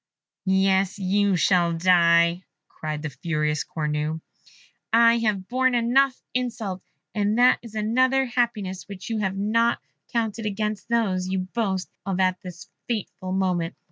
"Yes, you shall die," cried the furious Cornue; "I have borne enough insults, and that is another happiness which you have not counted amongst those you boast of at this fatal moment!"